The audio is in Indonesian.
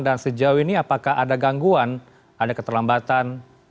dan sejauh ini apakah ada gangguan ada keterlambatan